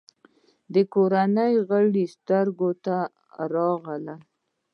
د کورنۍ غړي سترګو ته راغلل.